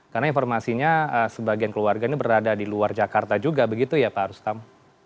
karena informasinya sebagian keluarga ini berada di luar jakarta juga begitu ya pak rustam